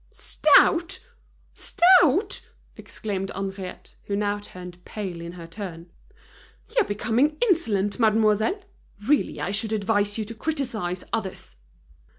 "Stout! stout!" exclaimed Henriette, who now turned pale in her turn. "You're becoming insolent, mademoiselle. Really, I should advise you to criticize others!"